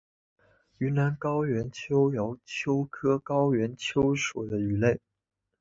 云南高原鳅为鳅科高原鳅属的鱼类。